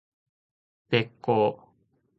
べっ甲